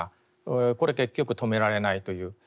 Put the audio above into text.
これ結局止められないという。